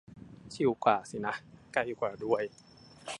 ชิวกว่าสินะ ใกล้กว่าด้วย